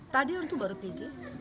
tadi waktu baru pergi